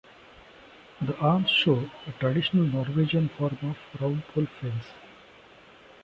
The arms show a traditional Norwegian form of roundpole fence.